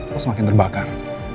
lo semakin terbakar